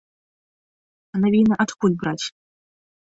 А навіны адкуль браць?